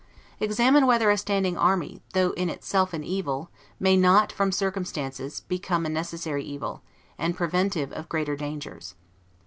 Examine whether a standing army, though in itself an evil, may not, from circumstances, become a necessary evil, and preventive of greater dangers.